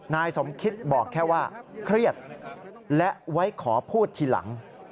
นายสมคิตบอกแค่ว่าเครียดและไว้ขอพูดทีหลัง